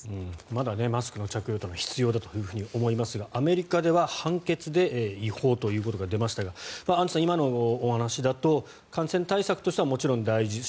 まだマスクの着用というのは必要だと思いますがアメリカでは判決で違法ということが出ましたがアンジュさん、今のお話だと感染対策としてはもちろん大事。